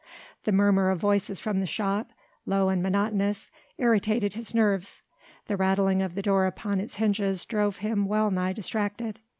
The murmur of voices from the shop, low and monotonous, irritated his nerves, the rattling of the door upon its hinges drove him well nigh distracted.